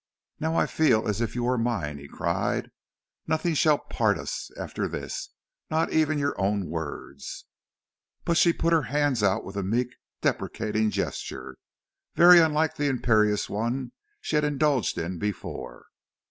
"Now I feel as if you were mine," he cried. "Nothing shall part us after this, not even your own words." But she put her hands out with a meek, deprecating gesture, very unlike the imperious one she had indulged in before.